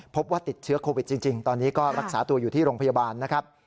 พบว่าติดเชื้อโควิดจริงตอนนี้ก็รักษาตัวอยู่ที่โรงพยาบาลนะครับ